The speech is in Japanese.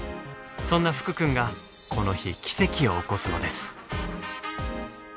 そんな福くんがこの日奇跡を起こすのです。